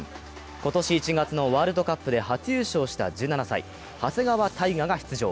今年１月のワールドカップで初優勝した１７歳、長谷川帝勝が出場。